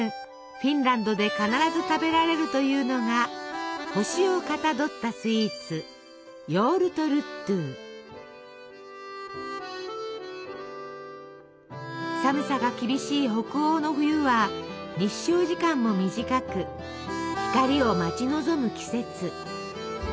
フィンランドで必ず食べられるというのが星をかたどったスイーツ寒さが厳しい北欧の冬は日照時間も短く光を待ち望む季節。